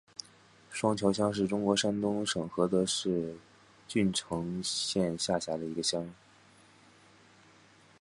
双桥乡是中国山东省菏泽市郓城县下辖的一个乡。